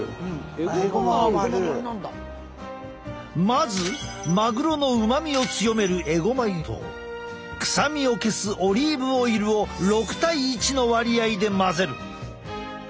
まずマグロの旨味を強めるえごま油と臭みを消すオリーブオイルを６対１の割合で混ぜる。